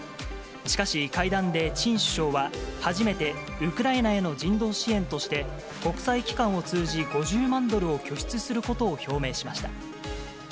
しかし、会談でチン首相は、初めて、ウクライナへの人道支援として、国際機関を通じ５０万ドルを拠出することを表明しました。